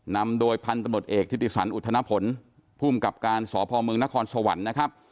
นำโดยพันตำรวจเอกทิศสรรค์อุทธนผลภูมิกับการสพนครสวรรค์